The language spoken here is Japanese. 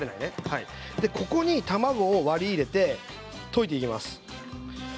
卵を割り入れて溶いていきます。